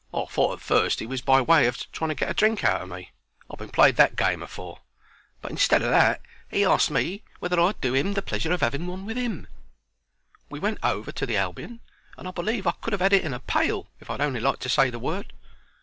I thought at fust he was by way of trying to get a drink out o' me I've been played that game afore but instead o' that he asked me whether I'd do 'im the pleasure of 'aving one with 'im. We went over to the Albion, and I believe I could have 'ad it in a pail if I'd on'y liked to say the word.